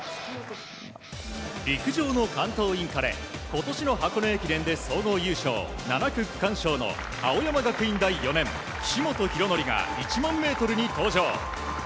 陸上の関東インカレ今年の箱根駅伝で総合優勝７区区間賞の青山学院大４年岸本大紀が１００００ｍに登場。